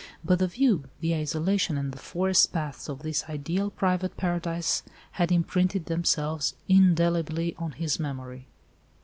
But the view, the isolation and the forest paths of this ideal private paradise had imprinted themselves indelibly on his memory.